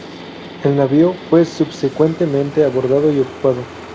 El navío fue subsecuentemente abordado y ocupado.